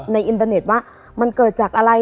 อินเตอร์เน็ตว่ามันเกิดจากอะไร